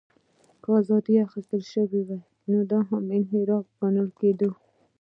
که ازادۍ اخیستل شوې وې، دا هم انحراف ګڼل کېده.